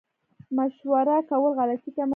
مشوره کول غلطي کموي